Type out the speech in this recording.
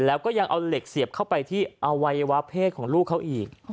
แล้วก็ยังเอาเหล็กเสียบเข้าไปที่อวัยวะเพศของลูกเขาอีก